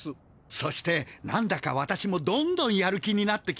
そしてなんだかわたしもどんどんやる気になってきました。